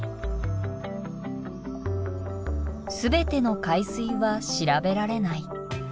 全ての海水は調べられない。